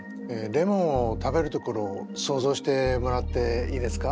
レモンを食べるところを想像してもらっていいですか？